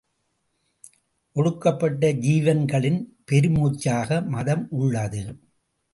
ஒடுக்கப்பட்ட ஜீவன்களின் பெருமூச்சாக மதம் உள்ளது.